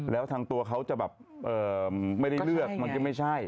แล้วทางตัวเขาจะแบบไม่ได้เลือกมันก็ไม่ใช่